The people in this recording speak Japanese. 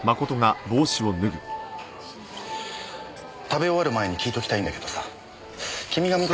食べ終わる前に聞いときたいんだけどさ君が見た。